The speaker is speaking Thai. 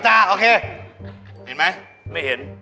ดักแก๊ก